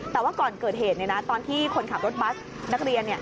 แต่ว่าก่อนเกิดเหตุตอนที่คนขับรถบัสนักเรียน